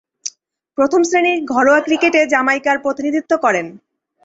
প্রথম-শ্রেণীর ঘরোয়া ক্রিকেটে জ্যামাইকার প্রতিনিধিত্ব করেন।